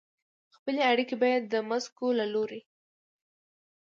خپلې اړیکې به یې د مسکو له لوري